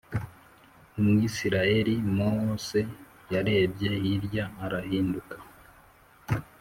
Umwisirayeli Mose yarebye hirya arahinduka